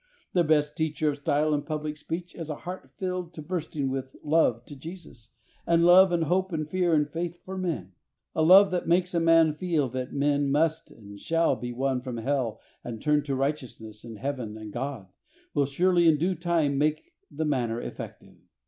The best teacher of style in public speech is a heart filled to burst ing with love to Jesus, and love and hope and fear and faith for men. A love that makes a man feel that men must and shall be won from Hell and turned to righteousness and Heaven and God, will surely, in due time, make the manner effective.